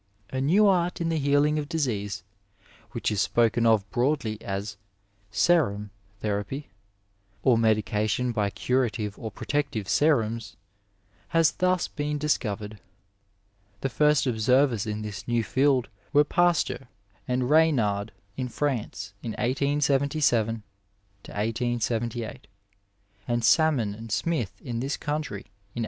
A new art in the healing of disease, which is spoken of broadly as serum therapy, or medication by curative or protective serums, has thus been discovered. The first observers in this new field were Pasteur and Raynaud in France in 1877 78, and Sabnon and Smith in this country in 1886.